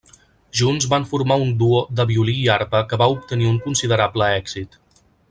Junts van formar un duo de violí i arpa que va obtenir un considerable èxit.